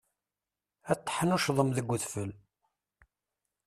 Ad teḥnuccḍem deg udfel.